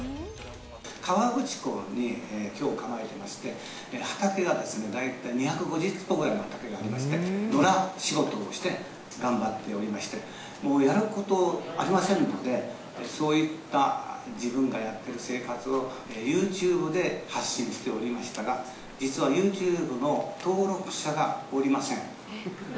河口湖に居を構えてまして、畑がですね、大体２５０坪ぐらいありまして、野良仕事をして頑張っておりまして、もうやることありませんので、そういった自分がやってる生活を、ユーチューブで発信しておりましたが、実はユーチューブの登録者がおりません。